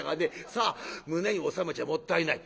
さあ胸に納めちゃもったいない。